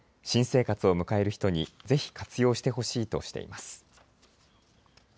新生活を迎える人にぜひ活用してほしいとしています。